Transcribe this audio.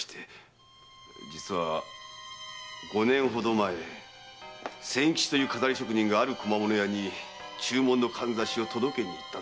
実は五年ほど前仙吉という錺り職人がある小間物屋に注文の簪を届けにいったところ。